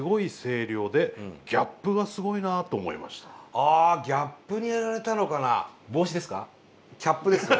ああギャップにやられたのかな？